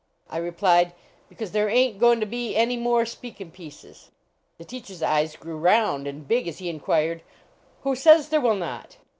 I replied :" Because there ain t goin to be any more speakin pieces." The teacher s eyes grew round and big as he inquired : "Who says there will not?"